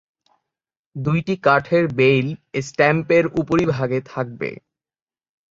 দুইটি কাঠের বেইল স্ট্যাম্পের উপরিভাগে থাকবে।